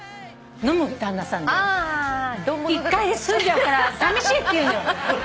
飲む旦那さんで１回で済んじゃうからさみしいって言うのよ。